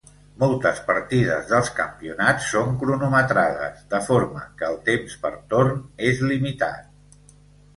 Moltes partides dels campionats són cronometrades, de forma que el temps per torn és limitat.